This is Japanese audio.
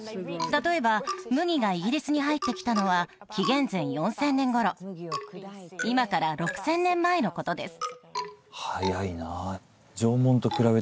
例えば麦がイギリスに入ってきたのは紀元前４０００年頃今から６０００年前のことです